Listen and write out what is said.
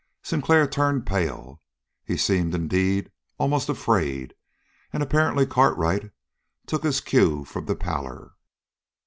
Sinclair turned pale. He seemed, indeed, almost afraid, and apparently Cartwright took his cue from the pallor.